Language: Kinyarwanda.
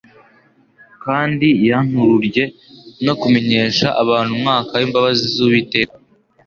kandi yantururye no kumenyesha abantu umwaka w'imbabazi z'Uwiteka"